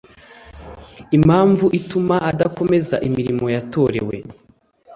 impamvu ituma adakomeza imirimo yatorewe